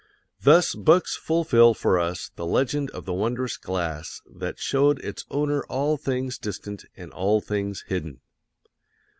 Thus books fulfill for us the legend of the wondrous glass that showed its owner all things distant and all things hidden.